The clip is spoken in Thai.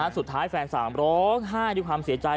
แฟนสามร้องไห้ด้วยความเสียใจ